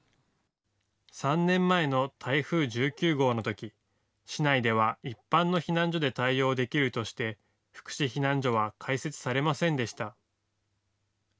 ３年前の台風１９号のとき市内では一般の避難所で対応できるとして福祉避難所は開設されませんでした。